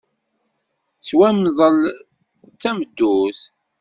Tettwamḍel d tamuddurt.